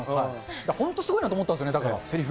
だから本当、すごいなと思ったんですよね、せりふ。